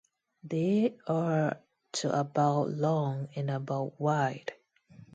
They are to about long and about wide.